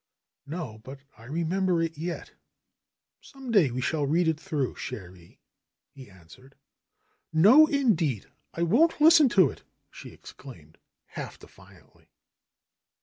"No, but I remember it yet. Some day we shall read it through, cherie," he answered. "No, indeed ! I won't listen to it," she exclaimed, half defiantly.